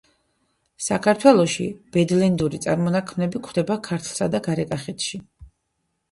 საქართველოში ბედლენდური წარმონაქმნები გვხვდება ქართლსა და გარეკახეთში.